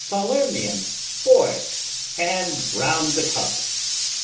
Falernian, boy, hand round the cup.